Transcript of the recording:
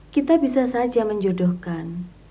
kita bisa saja menjodohkan